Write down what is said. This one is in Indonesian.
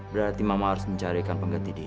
berarti mama harus mencarikan pengganti dia